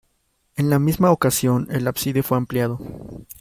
En la misma ocasión, el ábside fue ampliado.